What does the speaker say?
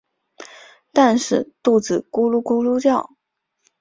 但是肚子咕噜咕噜叫